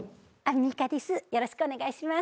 よろしくお願いします。